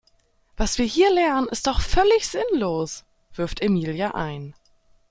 Was wir hier lernen ist doch völlig sinnlos, wirft Emilia ein.